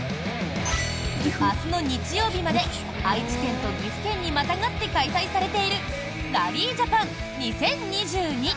明日の日曜日まで愛知県と岐阜県にまたがって開催されているラリージャパン２０２２。